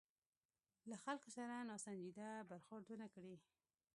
له خلکو سره ناسنجیده برخورد ونه کړي.